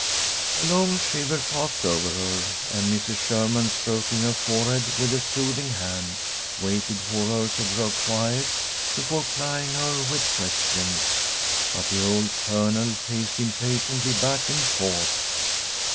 A long shiver passed over her, and Mrs. Sherman, stroking her forehead with a soothing hand, waited for her to grow quiet before plying her with questions. But the old Colonel paced impatiently back and forth.